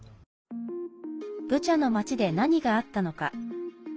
ブチャの町で何があったのか。